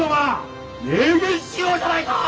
明言しようじゃないか！